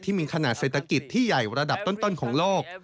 มีขนาดเศรษฐกิจที่ใหญ่ระดับต้นของโลก